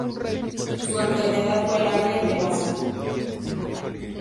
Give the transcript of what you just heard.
Su enfermedad fue larga y penosa.